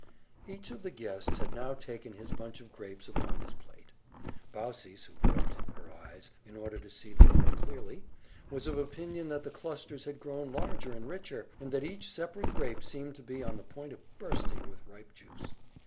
Each of the guests had now taken his bunch of grapes upon his plate. Baucis (who rubbed her eyes, in order to see the more clearly) was of opinion that the clusters had grown larger and richer, and that each separate grape seemed to be on the point of bursting with ripe juice.